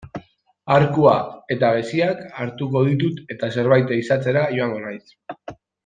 Arkua eta geziak hartuko ditut eta zerbait ehizatzera joango naiz.